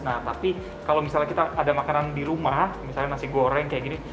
nah tapi kalau misalnya kita ada makanan di rumah misalnya nasi goreng kayak gini